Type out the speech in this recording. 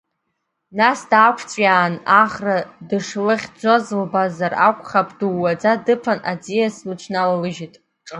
Нас даақәҵәиаан, Ахра дышлыхьӡоз лбазар акәхап, дууаӡа дыԥан, аӡиас лыҽналалыжьит.